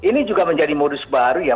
jadi ini juga menjadi modus baru ya